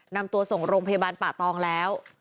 นำตัวส่งโรงพยาบาลป่าตองแล้ว